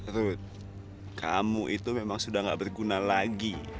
rud kamu itu memang sudah gak berguna lagi